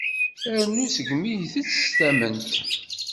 Arnu seg mi itett s tamment.